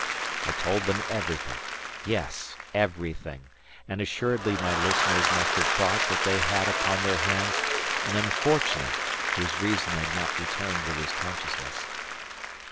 I told them everything. Yes, everything! And assuredly my listeners must have thought that they had upon their hands an unfortunate whose reason had not returned with his consciousness.